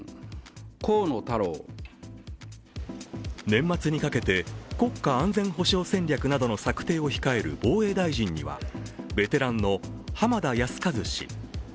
年末にかけて国家安全保障戦略などの策定を控える防衛大臣にはベテランの浜田靖一氏。